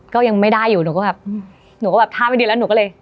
ก็ยังไม่ได้อยู่หนูก็แบบถ้าไม่ดีแล้วหนูก็เลย